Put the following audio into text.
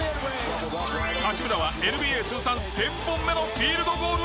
八村はＮＢＡ通算１０００本目のフィールドゴールを達成！